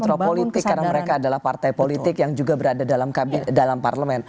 kontropolitik karena mereka adalah partai politik yang juga berada dalam parlemen